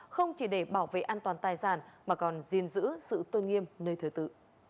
không chỉ để bảo vệ an toàn tài sản mà còn giên giữ sự tôn nghiêm nơi thừa tự